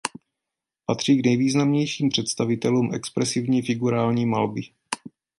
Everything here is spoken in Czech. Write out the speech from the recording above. Patří k nejvýznamnějším představitelům expresivní figurální malby.